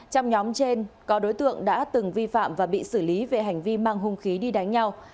trong nhóm trên có đối tượng đã từng vi phạm và bị xử lý về hành vi mang hung khí đi đánh nhau